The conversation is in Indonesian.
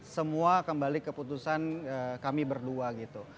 semua kembali keputusan kami berdua gitu